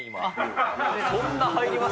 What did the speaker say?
そんな入ります？